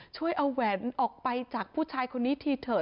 ช่วยเอาแหวนออกไปจากผู้ชายคนนี้ทีเถอะ